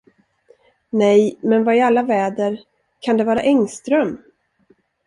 Nej, men vad i alla väder, kan det vara Engström.